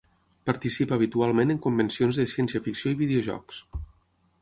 Participa habitualment en convencions de ciència-ficció i videojocs.